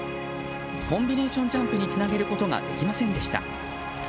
コンビネーションジャンプにつなげることができませんでした。